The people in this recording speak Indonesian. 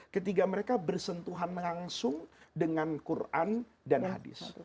ketika mereka bersentuhan langsung dengan quran dan hadis